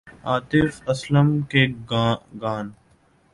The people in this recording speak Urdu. عاطف اسلم کے گان